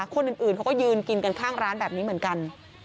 คนอื่นเขาก็ยืนกินกันข้างร้านแบบนี้เหมือนกัน